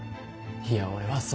いや俺はそんな。